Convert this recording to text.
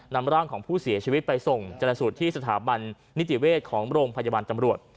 นำร่างของผู้เสียชีวิตไปส่งจนสูตรที่สถาบันนิติเวชของโรงพยาบาลตำรวจ